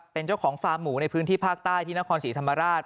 เป็นเจ้าของฟาร์มหมูในพื้นที่ภาคใต้ที่นครศรีธรรมราช